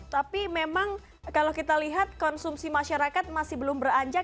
tapi memang kalau kita lihat konsumsi masyarakat masih belum beranjak